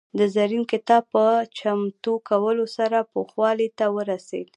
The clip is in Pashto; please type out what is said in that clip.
د زرین کتاب په چمتو کولو سره پوخوالي ته ورسېد.